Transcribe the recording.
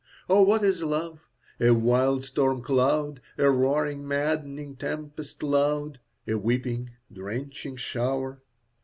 Oh, what is love? a wild storm cloud, A roaring, maddening tempest loud, A weeping, drenching shower.